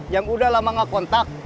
yang udah lama gak kontak